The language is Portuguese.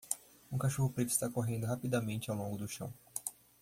Um cachorro preto está correndo rapidamente ao longo do chão